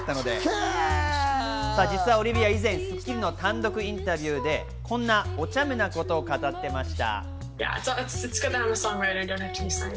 実はオリヴィア以前『スッキリ』の単独インタビューでこんな、おちゃめなことを語っていました。